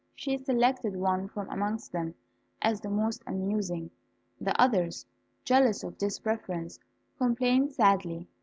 She selected one from amongst them as the most amusing. The others, jealous of this preference, complained sadly.